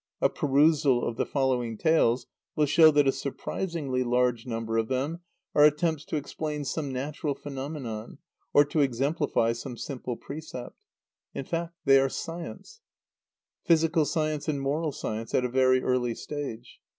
A perusal of the following tales will show that a surprisingly large number of them are attempts to explain some natural phenomenon, or to exemplify some simple precept. In fact they are science, physical science and moral science, at a very early stage.